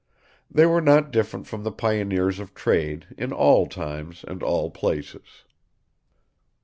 They were not different from the pioneers of trade in all times and all places.